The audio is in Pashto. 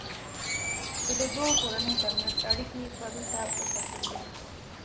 که د دوو کورنيو ترمنځ اړیکې بدو ته اوښتلې.